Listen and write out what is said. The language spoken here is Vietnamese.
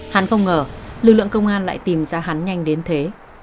hắn không ngờ lực lượng công an lại tìm ra hắn nhanh đến thế